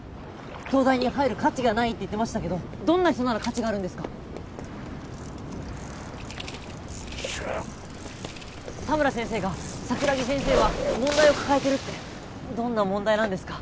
東大に入る価値がないって言ってましたけどどんな人なら価値があるんですかしゃあっ田村先生が桜木先生は問題を抱えてるってどんな問題なんですか？